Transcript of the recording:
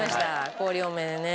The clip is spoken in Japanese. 氷多めでね。